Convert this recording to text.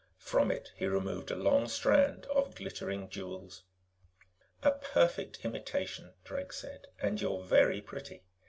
From it, he removed a long strand of glittering jewels. "A perfect imitation," Drake said. "And you're very pretty.